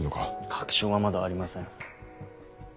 確証はまだありません。